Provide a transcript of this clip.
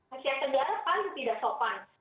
asia tenggara paling tidak sopan